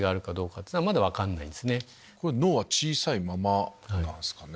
脳は小さいままなんですかね？